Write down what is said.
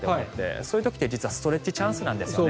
そういう時って実はストレッチチャンスなんですね。